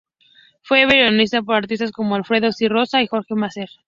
Fue versionada por artistas como Alfredo Zitarrosa y Jorge Nasser.